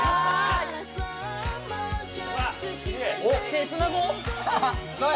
手つなごう？